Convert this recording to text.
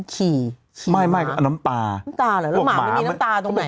ขี่ไม่ไม่เอาน้ำตาน้ำตาเหรอแล้วหมามันมีน้ำตาตรงไหน